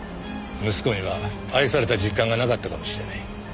息子には愛された実感がなかったかもしれない。